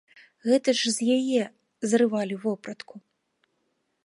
Гэта ж з яе зрывалі вопратку.